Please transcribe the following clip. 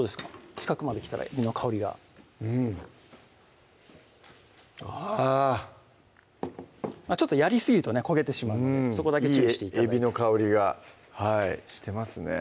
近くまで来たらえびの香りがうんあちょっとやりすぎるとね焦げてしまうのでそこだけ注意して頂いていいえびの香りがしてますね